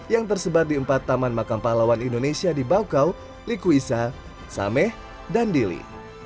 yang tersebar di empat taman makam pahlawan indonesia di baukau likuisa sameh dan dili